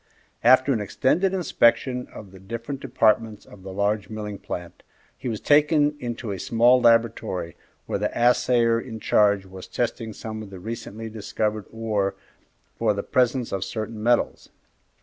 After an extended inspection of the different departments of the large milling plant, he was taken into a small laboratory, where the assayer in charge was testing some of the recently discovered ore for the presence of certain metals.